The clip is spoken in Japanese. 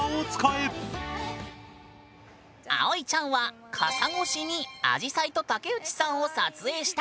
葵ちゃんは傘ごしにアジサイと竹内さんを撮影した。